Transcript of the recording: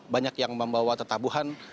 banyak yang membawa tetabuhan